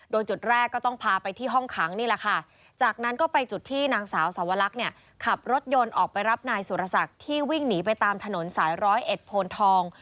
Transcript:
โดยจุดแรกก็ต้องพาไปที่ห้องขังนี่แหละค่ะจากนั้นก็ไปจุดที่นางสาวสวรรคเนี่ยขับรถยนต์ออกไปรับนายสุรศักดิ์ที่วิ่งหนีไปตามถนนสายร้อยเอ็ดโพนทอง